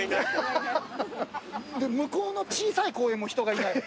向こうの小さい公園も人がいない。